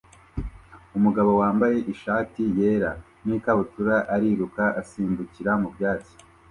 Umugabo wambaye ishati yera n'ikabutura ariruka asimbukira mu byatsi